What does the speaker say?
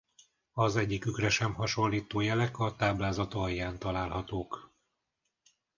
Az egyikükre sem hasonlító jelek a táblázat alján találhatók.